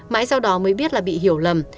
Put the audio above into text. mãi sau đó mới biết là bị hiểu lầm